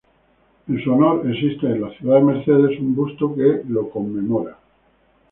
En su honor existe en la ciudad de Mercedes un busto que lo conmemora.